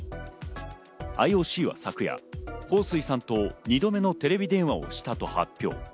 ＩＯＣは昨夜、ホウ・スイさんと２度目のテレビ電話をしたと発表。